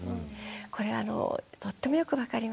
これはあのとってもよく分かりますね。